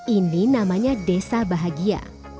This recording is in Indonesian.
ini namanya desa bahagia